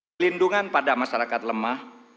perlindungan pada masyarakat lemah